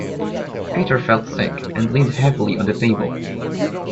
Peter felt sick, and leaned heavily on the table